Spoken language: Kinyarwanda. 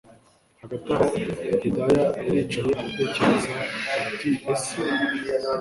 Hagati aho Hidaya yaricaye aratekereza utiese